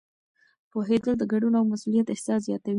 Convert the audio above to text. پوهېدل د ګډون او مسؤلیت احساس زیاتوي.